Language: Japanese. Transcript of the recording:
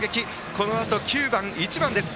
このあと９番、１番です。